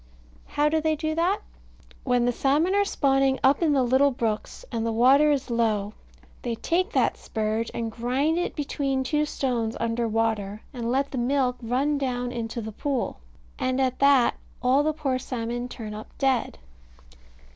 How do they do that? When the salmon are spawning up in the little brooks, and the water is low, they take that spurge, and grind it between two stones under water, and let the milk run down into the pool; and at that all the poor salmon turn up dead.